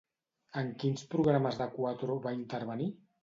En quins programes de Cuatro va intervenir?